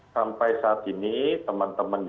sampai saat ini teman teman di